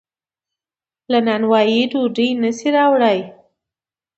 له نانوایۍ ډوډۍ نشي راوړلی.